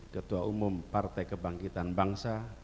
ketua umum partai kebangkitan bangsa